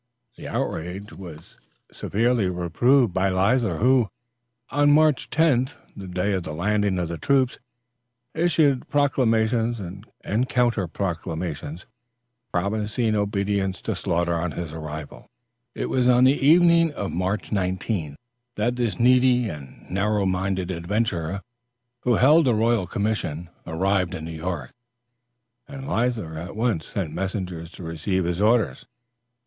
The outrage was severely reproved by Leisler, who, on March 10th, the day of the landing of the troops issued proclamations and counter proclamations, promising obedience to Sloughter on his arrival. It was on the evening of March 19th, that this profligate, needy, and narrow minded adventurer, who held the royal commission, arrived in New York, and Leisler at once sent messengers to receive his orders.